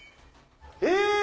え！